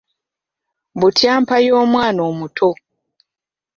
Butyampa y’omwana omuto.